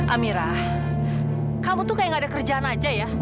amira kamu tuh kayak nggak ada kerjaan aja ya